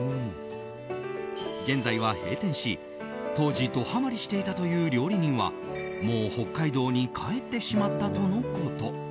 現在は閉店し、当時ドハマリしていたという料理人はもう北海道に帰ってしまったとのこと。